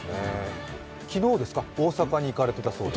昨日、大阪に行かれていたそうで？